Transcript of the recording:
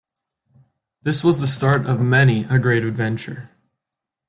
This was the start of many a great adventure.